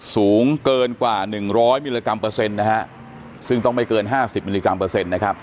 สูงเกินกว่าหนึ่งร้อยมิลลิกรัมเปอร์เซ็นต์นะฮะซึ่งต้องไม่เกินห้าสิบมิลลิกรัมเปอร์เซ็นต์นะครับ